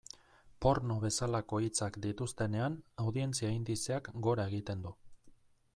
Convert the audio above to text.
Porno bezalako hitzak dituztenean, audientzia indizeak gora egiten du.